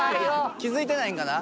気付いてないんかな？